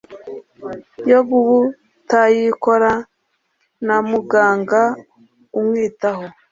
yo kutayikora na muganga umwitaho